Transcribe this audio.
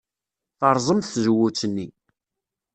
Terẓem tzewwut-nni.